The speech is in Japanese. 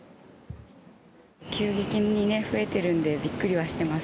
急激に増えてるんでびっくりはしてます。